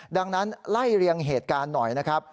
ดังนั้นไล่เรียงเหตุการณ์หน่อยนะครับ